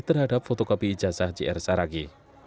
terhadap fotokopi ijazah jr saragi